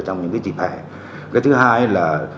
trong những cái trịp hẻ cái thứ hai là